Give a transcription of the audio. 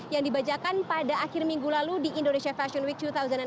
yang dibajakan pada akhir minggu lalu di indonesia fashion week dua ribu enam belas